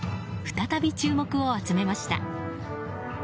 再び注目を集めました。